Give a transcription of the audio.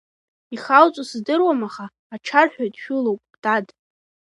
Ихауҵо сыздыруам, аха ачарҳәаҩ дшәылоуп, дад!